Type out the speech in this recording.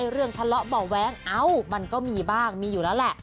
เรื่องทะเลาะเบาะแว้งเอ้ามันก็มีบ้างมีอยู่แล้วแหละ